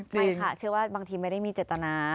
ใช่ค่ะเชื่อว่าบางทีไม่ได้มีเจตนา